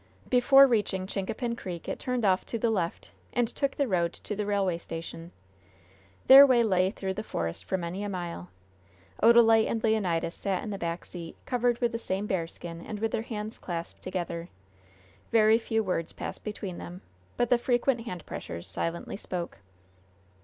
Before reaching Chincapin Creek it turned off to the left and took the road to the railway station. Their way lay through the forest for many a mile. Odalite and Leonidas sat in the back seat, covered with the same bearskin, and with their hands clasped together. Very few words passed between them. But the frequent hand pressures silently spoke.